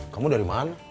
kamu dari mana